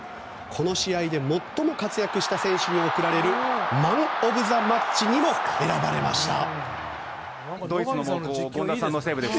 この試合で最も活躍した選手に贈られるマン・オブ・ザ・マッチにも選ばれました。